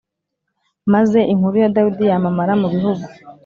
Maze inkuru ya Dawidi yamamara mu bihugu